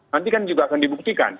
nanti kan juga akan dibuktikan